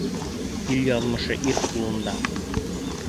Ил яҙмышы ир ҡулында.